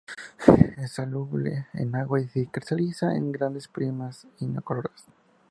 Es soluble en agua y se cristaliza en grandes prismas incoloros.